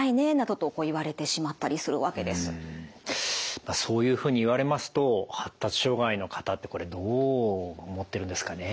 まあそういうふうに言われますと発達障害の方ってこれどう思ってるんですかね。